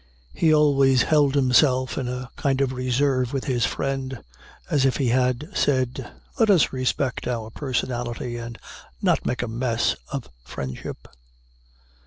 He always held himself in a kind of reserve with his friend, as if he had said, "Let us respect our personality, and not make a 'mess' of friendship."